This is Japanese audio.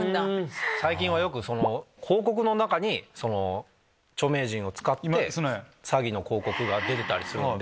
最近はよく広告の中に著名人を使って詐欺の広告が出てたりするので。